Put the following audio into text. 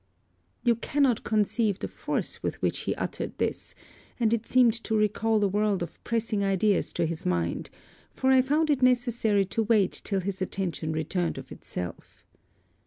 You cannot conceive the force with which he uttered this; and it seemed to recal a world of pressing ideas to his mind: for I found it necessary to wait till his attention returned of itself.